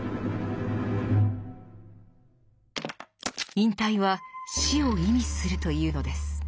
引退は死を意味するというのです。